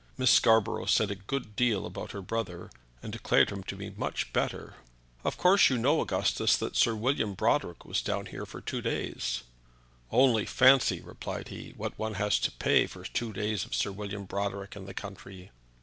Miss Scarborough said a good deal about her brother, and declared him to be much better. "Of course you know, Augustus, that Sir William Brodrick was down here for two days." "Only fancy," replied he, "what one has to pay for two days of Sir William Brodrick in the country!"